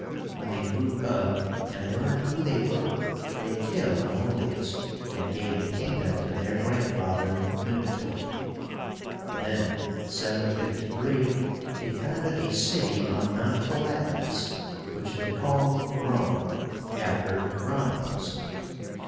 When they grew up and learned who they were, they killed Amulius, and gave the kingdom to their grandfather, Numitor. Then (753) they founded a city on Mount Palatínus, which they called ROME, after Romulus.